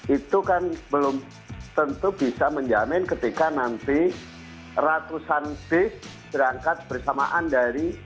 itu kan belum tentu bisa menjamin ketika nanti ratusan bis berangkat bersamaan dari